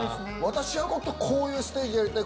私はこういうステージやりたい